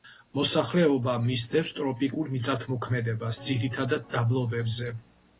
მოსახლეობა მისდევს ტროპიკულ მიწათმოქმედებას, ძირითადად დაბლობებზე.